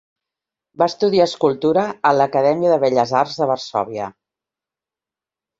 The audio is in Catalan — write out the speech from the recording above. Va estudiar escultura a l'Acadèmia de Belles Arts de Varsòvia.